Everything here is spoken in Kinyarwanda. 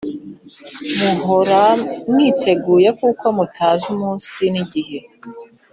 Muhora mwiteguye kuko mutazi umunsi nigihe